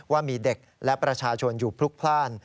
ว่ามีเด็กและประชาชนอยู่พลุกพลาด